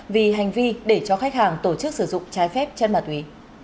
vì hành vi để cho khách hàng tổ chức sử dụng trái phép chân ma túy